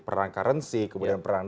perang currency kemudian perang